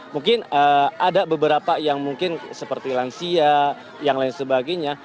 mungkin ada beberapa yang mungkin seperti lansia yang lain sebagainya